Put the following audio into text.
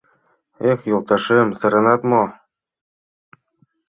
Эх, йолташем, сыренат мо